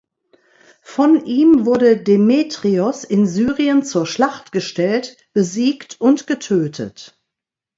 Von ihm wurde Demetrios in Syrien zur Schlacht gestellt, besiegt und getötet.